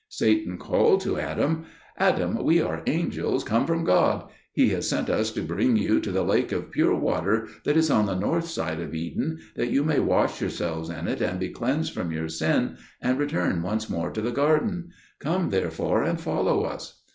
Satan called to Adam, "Adam, we are angels come from God; He has sent us to bring you to the lake of pure water that is on the north side of Eden, that you may wash yourselves in it and be cleansed from your sin, and return once more to the garden. Come therefore and follow us."